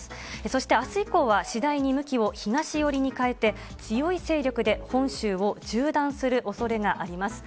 そしてあす以降は、次第に向きを東寄りに変えて、強い勢力で本州を縦断するおそれがあります。